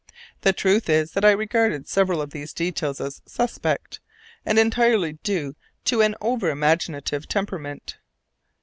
The truth is that I regarded several of these details as "suspect," and entirely due to an over imaginative temperament.